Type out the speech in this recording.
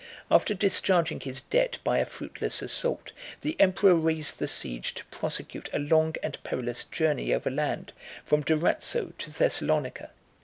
After discharging his debt by a fruitless assault, the emperor raised the siege to prosecute a long and perilous journey over land from Durazzo to Thessalonica.